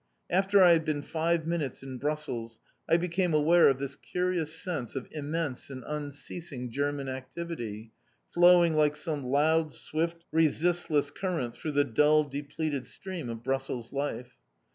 After I had been five minutes in Brussels, I became aware of this curious sense of immense and unceasing German activity, flowing like some loud, swift, resistless current through the dull, depleted stream of Brussels life.